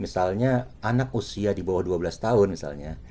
misalnya anak usia di bawah dua belas tahun misalnya